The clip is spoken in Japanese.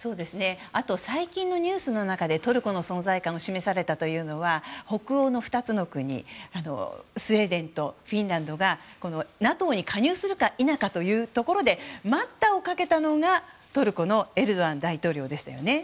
あと最近のニュースの中でトルコの存在感が示されたのは北欧の２つの国スウェーデンとフィンランドがＮＡＴＯに加入するか否かというところで待ったをかけたのが、トルコのエルドアン大統領でしたよね。